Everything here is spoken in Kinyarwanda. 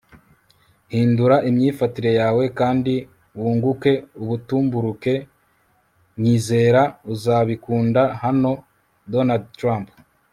hindura imyifatire yawe kandi wunguke ubutumburuke. nyizera, uzabikunda hano. - donald trump